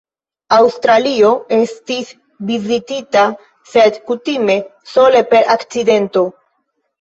Aŭstralio estis vizitita, sed kutime sole per akcidento.